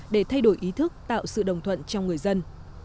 để thay đổi ý thức tạo sự đồng thuận trong người dân